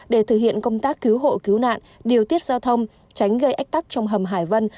để thực hiện công tác cứu hộ cứu nạn điều tiết giao thông tránh gây ách tắc trong hầm hải vân